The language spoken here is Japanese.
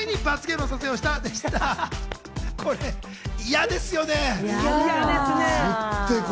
これ嫌ですよね。